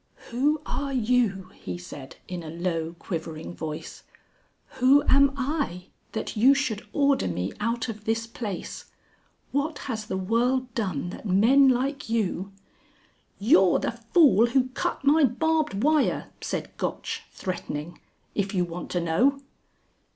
"Who are you," he said, in a low quivering voice; "who am I that you should order me out of this place? What has the World done that men like you...." "You're the fool who cut my barbed wire," said Gotch, threatening, "If you want to know!"